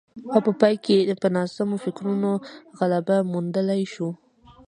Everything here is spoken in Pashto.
او په پای کې په ناسمو فکرونو غلبه موندلای شو